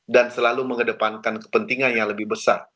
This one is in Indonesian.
dan selalu mengedepankan kepentingan yang lebih besar